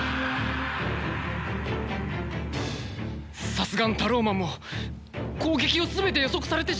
さすがのタローマンも攻撃を全て予測されてしまっては。